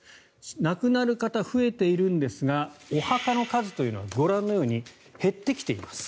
亡くなる方、増えているんですがお墓の数というのはご覧のように減ってきています。